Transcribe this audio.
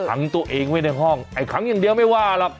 ขังตัวเองไว้ในห้องไอ้ขังอย่างเดียวไม่ว่าหรอก